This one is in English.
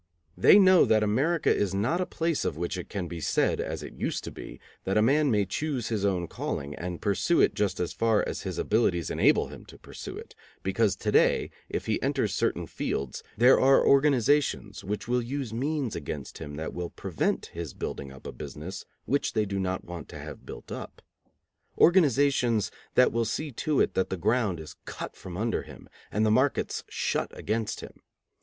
They know that America is not a place of which it can be said, as it used to be, that a man may choose his own calling and pursue it just as far as his abilities enable him to pursue it; because to day, if he enters certain fields, there are organizations which will use means against him that will prevent his building up a business which they do not want to have built up; organizations that will see to it that the ground is cut from under him and the markets shut against him.